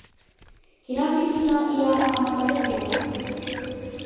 Quina oficina hi ha a Matadepera?